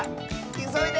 いそいで！